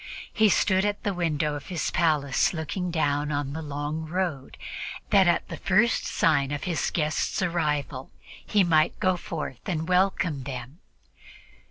He stood at the window of his palace looking down the long road, that at the first sign of his guests' arrival he might go forth and welcome them.